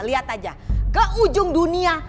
lihat aja ke ujung dunia